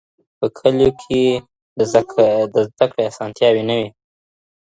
په کلیو کي د زده کړې اسانتیاوي نه وي.